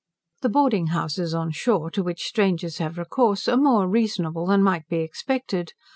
The boarding houses on shore, to which strangers have recourse, are more reasonable than might be expected.